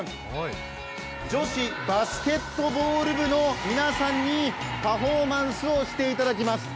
女子バスケットボール部の皆さんにパフォーマンスをしていただきます。